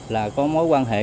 là có mối quan hệ